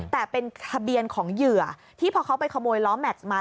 แต่เป็นทะเบียนของเหยื่อที่พอเขาไปขโมยล้อแม็กซ์มา